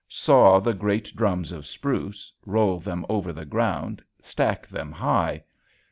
Saw the great drums of spruce, roll them over the ground and stack them high.